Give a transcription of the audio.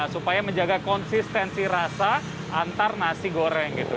supaya menjaga konsistensi rasa antar nasi goreng gitu